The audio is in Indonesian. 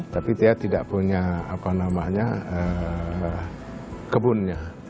tapi dia tidak punya apa namanya kebunnya